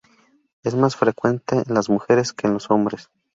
Es más frecuente en las mujeres que en los hombres.